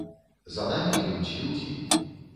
За намі ідуць людзі.